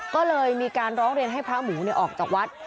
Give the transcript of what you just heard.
ก็เลยมีการร้องเรียนให้พระหมูออกจากวัด